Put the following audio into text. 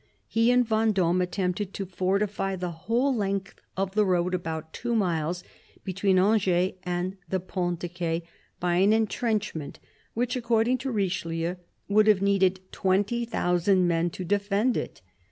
He and Vendome attempted to fortify the whole length of the road, about two miles, between Angers and the Ponts de Ce, by an entrenchment which, according to Richelieu, would have needed twenty thousand men to defend it.